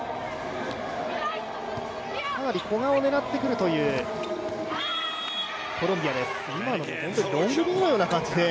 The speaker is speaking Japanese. かなり古賀を狙ってくるというコロンビアです。